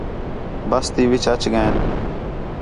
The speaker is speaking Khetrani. بس تی وِچ اَچ ڳئین